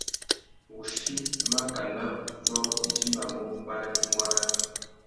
Wuchí makana wutiō i timbamú mubanaki muaratu.